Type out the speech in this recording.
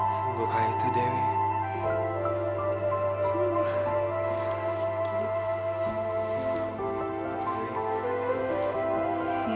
sungguh kayak itu dewi